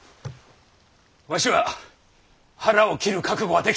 わしは腹を切る覚悟はできております！